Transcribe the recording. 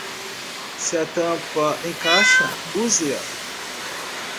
Se a tampa encaixa?, use-a.